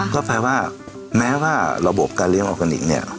ก็แปลว่าแม้ว่าระบบการเลี้ยงออกกันอีก